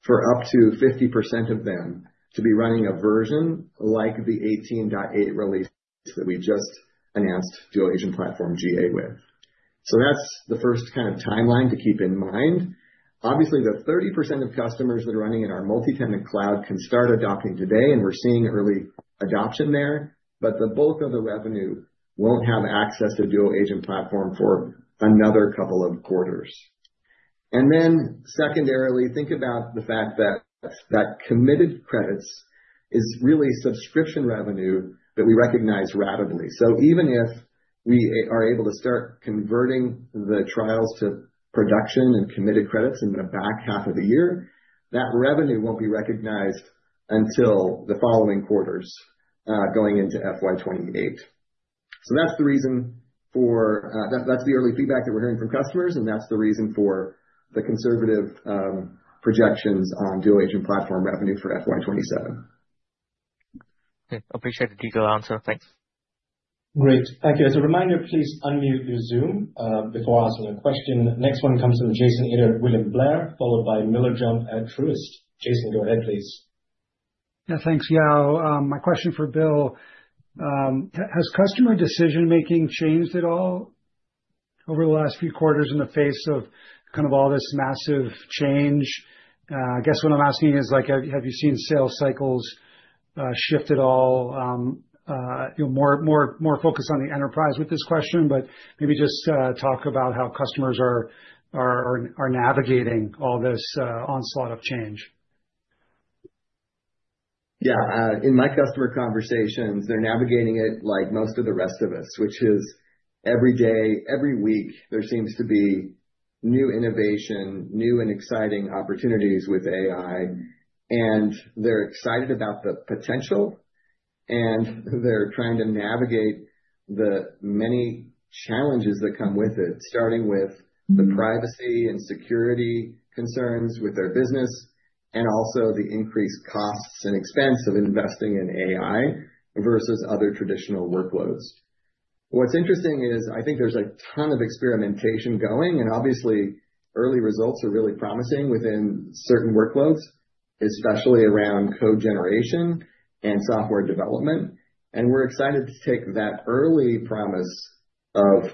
for up to 50% of them to be running a version like the 18.8 release that we just announced Duo Agent Platform GA with. That's the first kinda timeline to keep in mind. Obviously, the 30% of customers that are running in our multi-tenant cloud can start adopting today, and we're seeing early adoption there, but the bulk of the revenue won't have access to Duo Agent Platform for another couple of quarters. Secondarily, think about the fact that committed credits is really subscription revenue that we recognize ratably. Even if we are able to start converting the trials to production and committed credits in the back half of the year, that revenue won't be recognized until the following quarters, going into FY28. That's the reason that's the early feedback that we're hearing from customers, and that's the reason for the conservative projections on Duo Agent Platform revenue for FY27. Okay. Appreciate the detailed answer. Thanks. Great. Thank you. As a reminder, please unmute your Zoom, before asking a question. Next one comes from Jason Ader, William Blair, followed by Miller Jump at Truist. Jason, go ahead, please. Thanks, Yao. My question for Bill, has customer decision-making changed at all over the last few quarters in the face of kind of all this massive change? I guess what I'm asking is, like, have you seen sales cycles shift at all? You know, more focused on the enterprise with this question, but maybe just talk about how customers are navigating all this onslaught of change. Yeah. In my customer conversations, they're navigating it like most of the rest of us, which is every day, every week, there seems to be new innovation, new and exciting opportunities with AI. They're excited about the potential, and they're trying to navigate the many challenges that come with it, starting with the privacy and security concerns with their business and also the increased costs and expense of investing in AI versus other traditional workloads. What's interesting is I think there's a ton of experimentation going, and obviously early results are really promising within certain workloads, especially around code generation and software development. We're excited to take that early promise of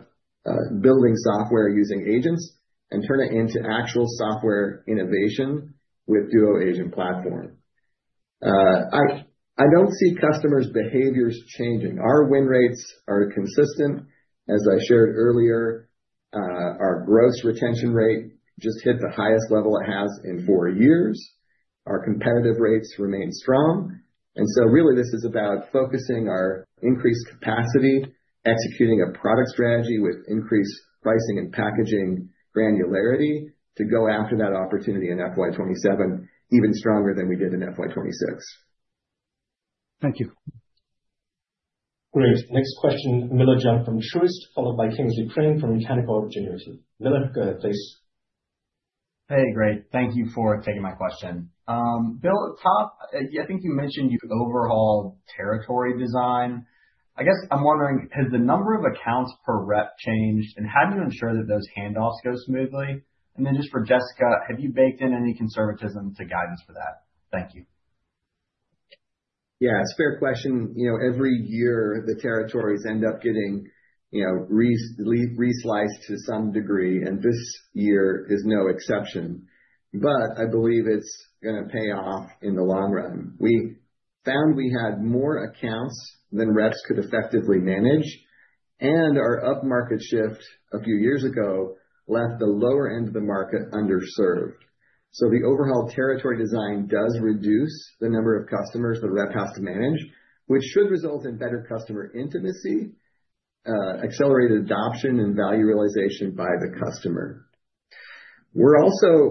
building software using agents and turn it into actual software innovation with Duo Agent Platform. I don't see customers' behaviors changing. Our win rates are consistent. As I shared earlier, our gross retention rate just hit the highest level it has in four years. Our competitive rates remain strong. Really this is about focusing our increased capacity, executing a product strategy with increased pricing and packaging granularity to go after that opportunity in FY 2027 even stronger than we did in FY 2026. Thank you. Great. Next question, Miller Jump from Truist, followed by Kingsley Crane from Canaccord Genuity. Miller, go ahead, please. Hey, great. Thank you for taking my question. Bill, at top, I think you mentioned you overhauled territory design. I guess I'm wondering, has the number of accounts per rep changed, and how do you ensure that those handoffs go smoothly? Then just for Jessica, have you baked in any conservatism to guidance for that? Thank you. Yeah, it's a fair question. You know, every year the territories end up getting, you know, re-sliced to some degree, and this year is no exception. I believe it's gonna pay off in the long run. We found we had more accounts than reps could effectively manage, and our upmarket shift a few years ago left the lower end of the market underserved. The overall territory design does reduce the number of customers the rep has to manage, which should result in better customer intimacy, accelerated adoption and value realization by the customer. We're also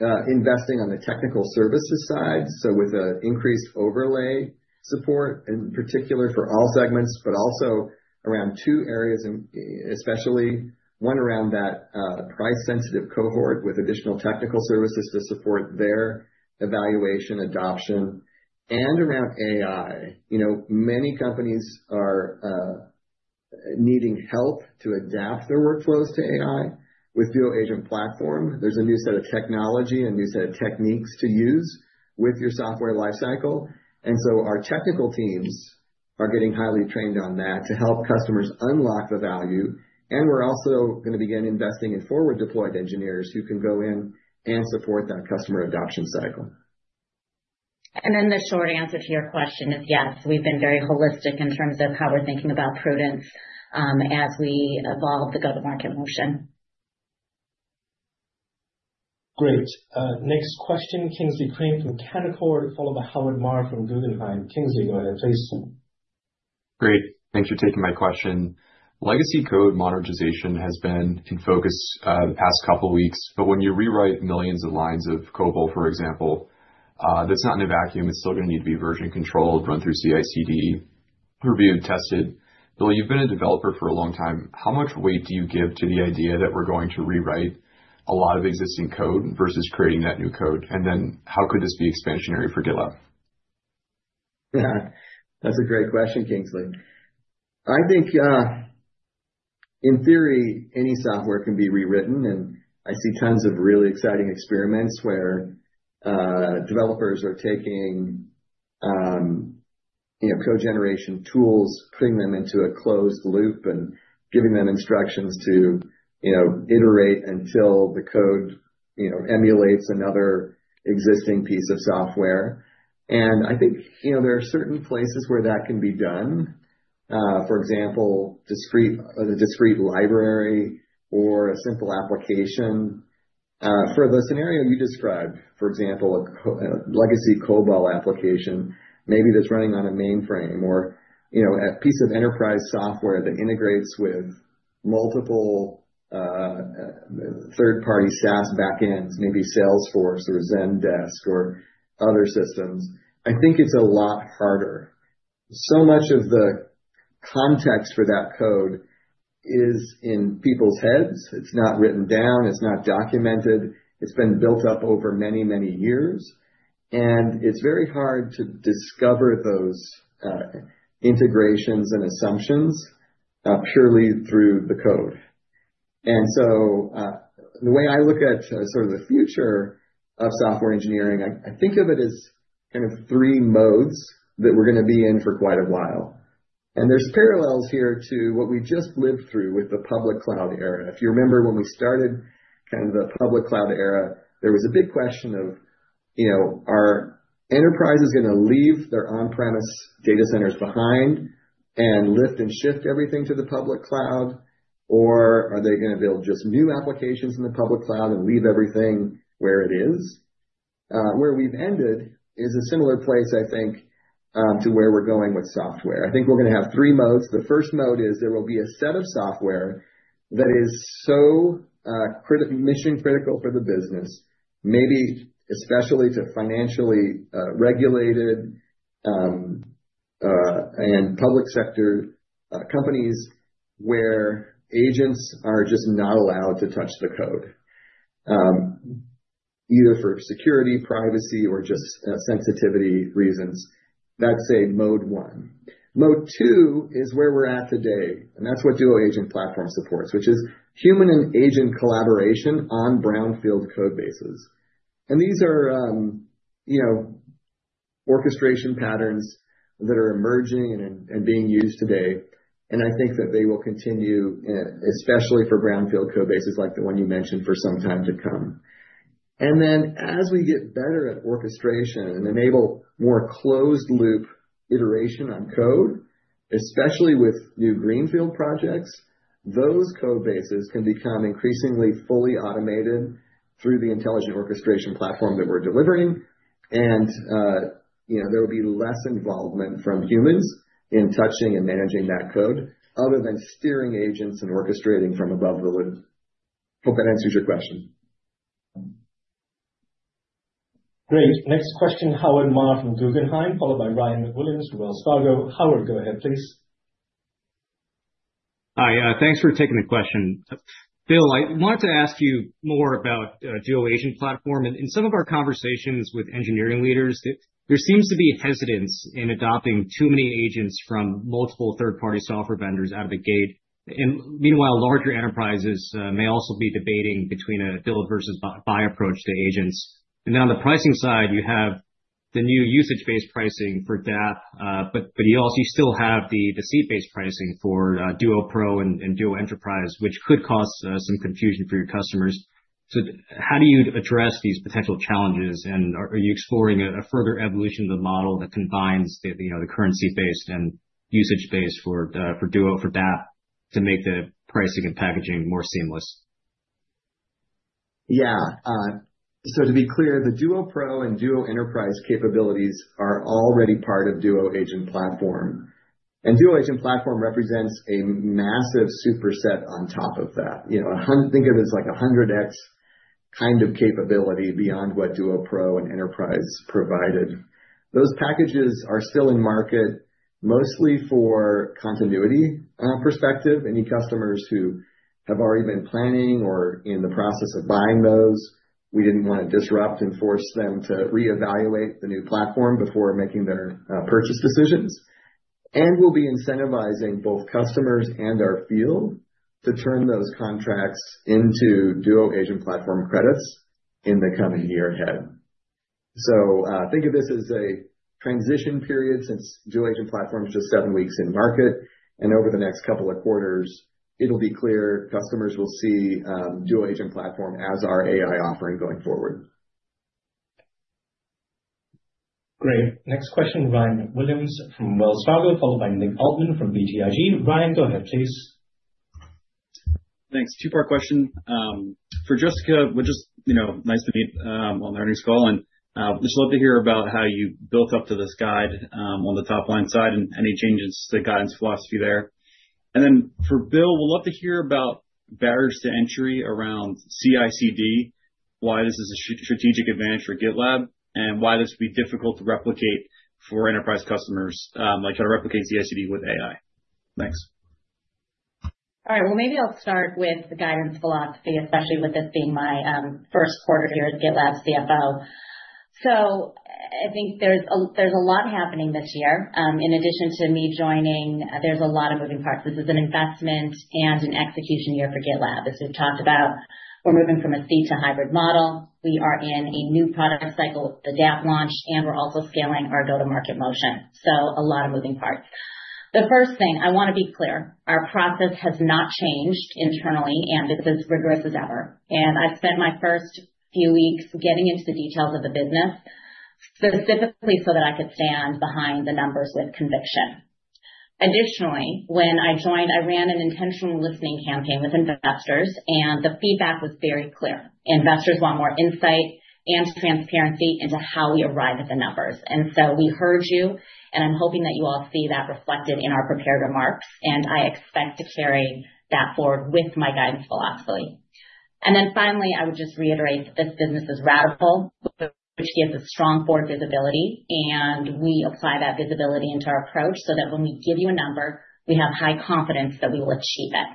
investing on the technical services side, so with an increased overlay support, in particular for all segments, but also around two areas, especially one around that price-sensitive cohort with additional technical services to support their evaluation, adoption, and around AI. You know, many companies are needing help to adapt their workflows to AI. With Duo Agent Platform, there's a new set of technology, a new set of techniques to use with your software life cycle. Our technical teams are getting highly trained on that to help customers unlock the value. We're also gonna begin investing in forward-deployed engineers who can go in and support that customer adoption cycle. The short answer to your question is yes. We've been very holistic in terms of how we're thinking about prudence, as we evolve the go-to-market motion. Great. next question, Kingsley Crane from Canaccord, followed by Howard Ma from Guggenheim. Kingsley, go ahead, please. Great. Thanks for taking my question. Legacy code modernization has been in focus, the past couple weeks, but when you rewrite millions of lines of COBOL, for example, that's not in a vacuum. It's still gonna need to be version controlled, run through CI/CD, reviewed, tested. Bill, you've been a developer for a long time. How much weight do you give to the idea that we're going to rewrite a lot of existing code versus creating that new code? How could this be expansionary for GitLab? That's a great question, Kingsley. I think, in theory, any software can be rewritten, and I see tons of really exciting experiments where developers are taking, you know, code generation tools, putting them into a closed loop and giving them instructions to, you know, iterate until the code, you know, emulates another existing piece of software. I think, you know, there are certain places where that can be done. For example, the discrete library or a simple application. For the scenario you described, for example, a legacy COBOL application, maybe that's running on a mainframe or, you know, a piece of enterprise software that integrates with multiple third-party SaaS backends, maybe Salesforce or Zendesk or other systems. I think it's a lot harder. Much of the context for that code is in people's heads. It's not written down, it's not documented. It's been built up over many, many years, and it's very hard to discover those integrations and assumptions purely through the code. The way I look at sort of the future of software engineering, I think of it as kind of three modes that we're gonna be in for quite a while. There's parallels here to what we just lived through with the public cloud era. If you remember when we started kind of the public cloud era, there was a big question of, you know, are enterprises gonna leave their on-premise data centers behind and lift and shift everything to the public cloud? Are they gonna build just new applications in the public cloud and leave everything where it is? Where we've ended is a similar place, I think, to where we're going with software. I think we're gonna have three modes. The first mode is there will be a set of software that is so mission-critical for the business, maybe especially to financially regulated and public sector companies where agents are just not allowed to touch the code, either for security, privacy, or just sensitivity reasons. That's a mode one. Mode two is where we're at today, and that's what Duo Agent Platform supports, which is human and agent collaboration on brownfield codebases. These are, you know, orchestration patterns that are emerging and being used today. I think that they will continue, especially for brownfield codebases like the one you mentioned, for some time to come. Then as we get better at orchestration and enable more closed-loop iteration on code, especially with new greenfield projects, those codebases can become increasingly fully automated through the intelligent orchestration platform that we're delivering. you know, there will be less involvement from humans in touching and managing that code other than steering agents and orchestrating from above the wood. Hope that answers your question. Great. Next question, Howard Ma from Guggenheim, followed by Ryan Williams, Wells Fargo. Howard, go ahead, please. Hi. Thanks for taking the question. Bill, I wanted to ask you more about Duo Agent Platform. In some of our conversations with engineering leaders, there seems to be hesitance in adopting too many agents from multiple third-party software vendors out of the gate. Meanwhile, larger enterprises may also be debating between a build versus buy approach to agents. On the pricing side, you have the new usage-based pricing for DAP, but you also still have the seat-based pricing for GitLab Duo Pro and Duo Enterprise, which could cause some confusion for your customers. How do you address these potential challenges, and are you exploring a further evolution of the model that combines the, you know, the currency-based and usage-based for GitLab Duo, for DAP to make the pricing and packaging more seamless? To be clear, the Duo Pro and Duo Enterprise capabilities are already part of Duo Agent platform. Duo Agent platform represents a massive superset on top of that. You know, think of it as like a 100x kind of capability beyond what Duo Pro and Enterprise provided. Those packages are still in market mostly for continuity perspective. Any customers who have already been planning or in the process of buying those, we didn't wanna disrupt and force them to reevaluate the new platform before making their purchase decisions. We'll be incentivizing both customers and our field to turn those contracts into Duo Agent platform credits in the coming year ahead. Think of this as a transition period since Duo Agent Platform is just seven weeks in market. Over the next couple of quarters, it'll be clear customers will see Duo Agent Platform as our AI offering going forward. Great. Next question, Ryan Williams from Wells Fargo, followed by Nick Altmann from BTIG. Ryan, go ahead, please. Thanks. Two-part question. For Jessica, we're just, you know, nice to meet on the earnings call and just love to hear about how you built up to this guide on the top-line side and any changes to the guidance philosophy there. For Bill, we'd love to hear about barriers to entry around CI/CD, why this is a strategic advantage for GitLab, and why this would be difficult to replicate for enterprise customers, like how to replicate CI/CD with AI. Thanks. All right. Well, maybe I'll start with the guidance philosophy, especially with this being my first quarter here as GitLab CFO. I think there's a lot happening this year. In addition to me joining, there's a lot of moving parts. This is an investment and an execution year for GitLab. As we've talked about, we're moving from a fee to hybrid model. We are in a new product cycle, Adapt launch, and we're also scaling our go-to-market motion. A lot of moving parts. The first thing, I wanna be clear, our process has not changed internally, and it is as rigorous as ever. I've spent my first few weeks getting into the details of the business. Specifically so that I could stand behind the numbers with conviction. Additionally, when I joined, I ran an intentional listening campaign with investors and the feedback was very clear. Investors want more insight and transparency into how we arrive at the numbers. We heard you, and I'm hoping that you all see that reflected in our prepared remarks, and I expect to carry that forward with my guidance philosophy. Finally, I would just reiterate that this business is ratable, which gives a strong board visibility, and we apply that visibility into our approach so that when we give you a number, we have high confidence that we will achieve it.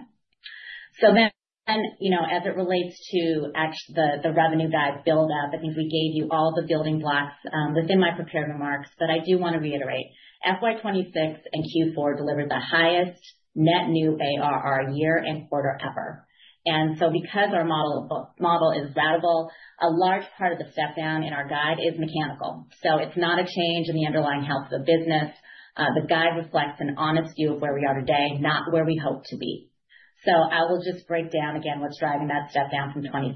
You know, as it relates to the revenue guide build-up, I think we gave you all the building blocks within my prepared remarks, but I do wanna reiterate. FY 2026 and Q4 delivered the highest net new ARR year and quarter ever. Because our model is ratable, a large part of the step down in our guide is mechanical. It's not a change in the underlying health of the business. The guide reflects an honest view of where we are today, not where we hope to be. I will just break down again what's driving that step down from 26%.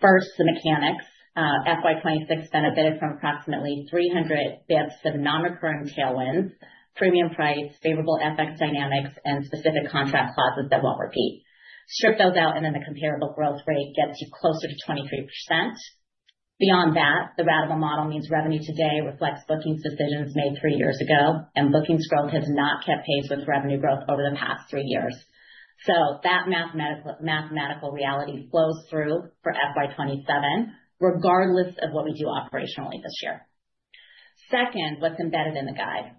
First, the mechanics. FY 2026 benefited from approximately 300 BPS of non-recurring tailwinds, premium price, favorable FX dynamics, and specific contract clauses that won't repeat. Strip those out and then the comparable growth rate gets you closer to 23%. Beyond that, the ratable model means revenue today reflects bookings decisions made three years ago, bookings growth has not kept pace with revenue growth over the past three years. That mathematical reality flows through for FY27, regardless of what we do operationally this year. Second, what's embedded in the guide.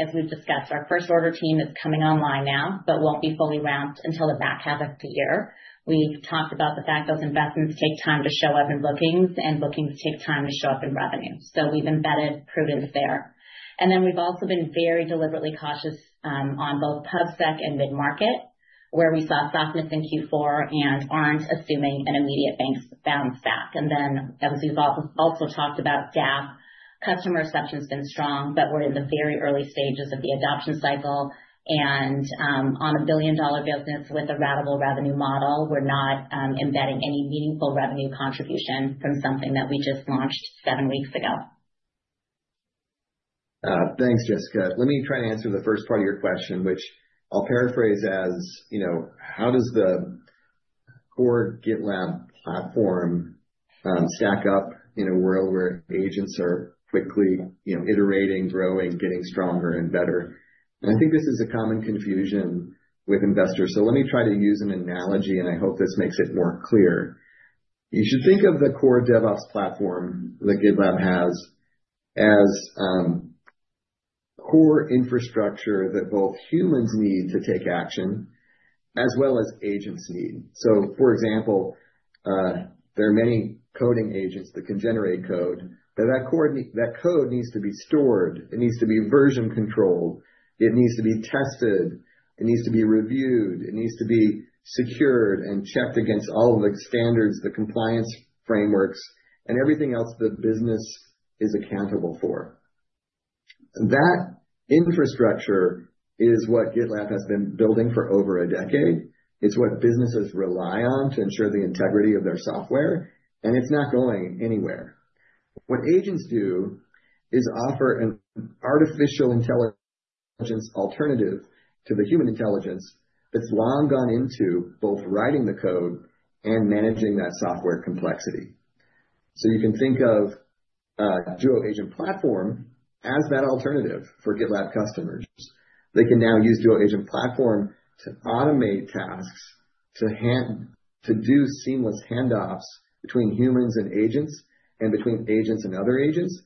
As we've discussed, our first order team is coming online now but won't be fully ramped until the back half of the year. We've talked about the fact those investments take time to show up in bookings take time to show up in revenue. We've embedded prudence there. Then we've also been very deliberately cautious on both PubSec and mid-market, where we saw softness in Q4 and aren't assuming an immediate bank balance back. As we've also talked about GAP, customer reception's been strong, but we're in the very early stages of the adoption cycle. On a $1 billion business with a ratable revenue model, we're not embedding any meaningful revenue contribution from something that we just launched seven weeks ago. Thanks, Jessica. Let me try to answer the first part of your question, which I'll paraphrase as, you know, how does the core GitLab platform stack up in a world where agents are quickly, you know, iterating, growing, getting stronger and better? I think this is a common confusion with investors. Let me try to use an analogy, and I hope this makes it more clear. You should think of the core DevOps platform that GitLab has as core infrastructure that both humans need to take action as well as agents need. For example, there are many coding agents that can generate code, but that code needs to be stored, it needs to be version controlled, it needs to be tested, it needs to be reviewed, it needs to be secured and checked against all of the standards, the compliance frameworks, and everything else the business is accountable for. That infrastructure is what GitLab has been building for over a decade. It's what businesses rely on to ensure the integrity of their software, and it's not going anywhere. What agents do is offer an artificial intelligence alternative to the human intelligence that's long gone into both writing the code and managing that software complexity. You can think of Duo Agent Platform as that alternative for GitLab customers. They can now use Duo Agent Platform to automate tasks. To do seamless handoffs between humans and agents and between agents and other agents,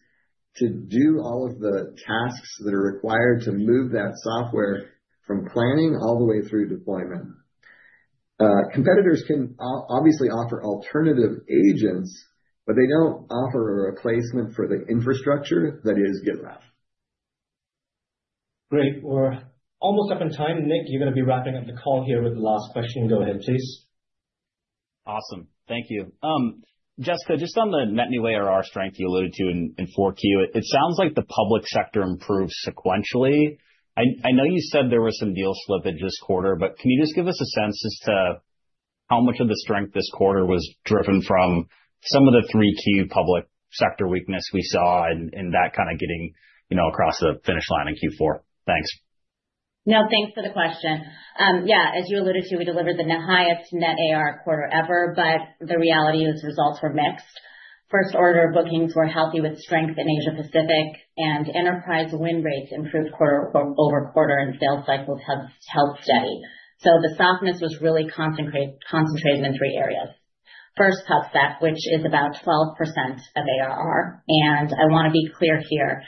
to do all of the tasks that are required to move that software from planning all the way through deployment. Competitors can obviously offer alternative agents, but they don't offer a replacement for the infrastructure that is GitLab. Great. We're almost up on time. Nick, you're gonna be wrapping up the call here with the last question. Go ahead please. Awesome. Thank you. Jessica, just on the net new ARR strength you alluded to in four Q, it sounds like the public sector improved sequentially. I know you said there was some deal slippage this quarter, but can you just give us a sense as to how much of the strength this quarter was driven from some of the three Q public sector weakness we saw and that kinda getting, you know, across the finish line in Q4? Thanks. No, thanks for the question. Yeah, as you alluded to, we delivered the highest net ARR quarter ever. The reality is results were mixed. First order bookings were healthy with strength in Asia-Pacific. Enterprise win rates improved quarter-over-quarter. Sales cycles have held steady. The softness was really concentrated in three areas. First, PubSec, which is about 12% of ARR. I wanna be clear here,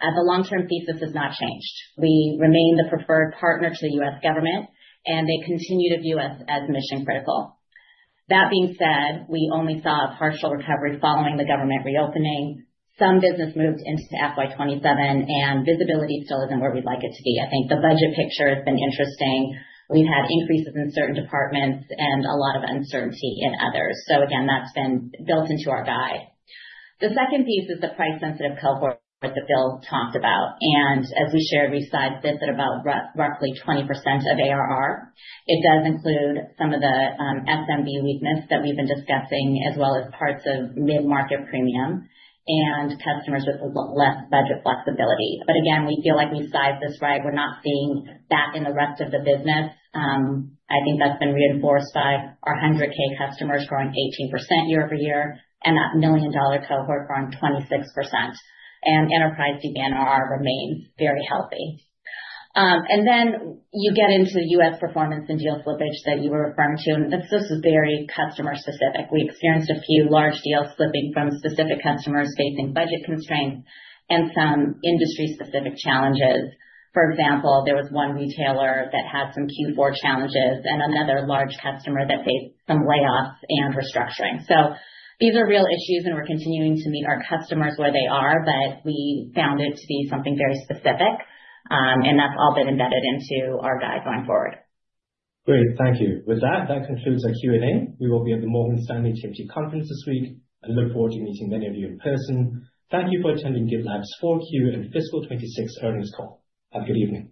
the long-term thesis has not changed. We remain the preferred partner to the U.S. government, and they continue to view us as mission-critical. That being said, we only saw a partial recovery following the government reopening. Some business moved into FY 2027, and visibility still isn't where we'd like it to be. I think the budget picture has been interesting. We've had increases in certain departments and a lot of uncertainty in others. Again, that's been built into our guide. The second piece is the price-sensitive cohort that Bill talked about. As we shared, we sized this at about roughly 20% of ARR. It does include some of the SMB weakness that we've been discussing as well as parts of mid-market premium and customers with less budget flexibility. Again, we feel like we've sized this right. We're not seeing that in the rest of the business. I think that's been reinforced by our 100K customers growing 18% year-over-year and that million-dollar cohort growing 26%. Enterprise ARR remains very healthy. You get into the U.S. performance and deal slippage that you were referring to, this is very customer-specific. We experienced a few large deals slipping from specific customers facing budget constraints and some industry-specific challenges. For example, there was one retailer that had some Q4 challenges and another large customer that faced some layoffs and restructuring. These are real issues, and we're continuing to meet our customers where they are, but we found it to be something very specific. That's all been embedded into our guide going forward. Great. Thank you. With that concludes our Q&A. We will be at the Morgan Stanley TMT Conference this week and look forward to meeting many of you in person. Thank you for attending GitLab's 4Q and fiscal 26 earnings call. Have a good evening.